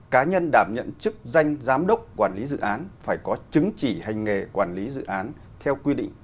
cá nhân đảm nhận chức danh giám đốc quản lý dự án phải có chứng chỉ hành nghề quản lý dự án theo quy định